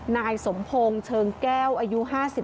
นายสมพงศ์เชิงแก้วอายุ๕๓